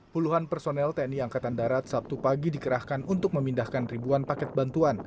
puluhan personel tni angkatan darat sabtu pagi dikerahkan untuk memindahkan ribuan paket bantuan